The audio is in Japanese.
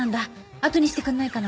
あとにしてくんないかな？